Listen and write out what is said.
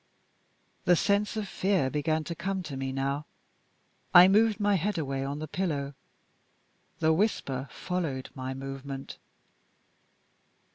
The sense of fear began to come to me now. I moved my head away on the pillow. The whisper followed my movement.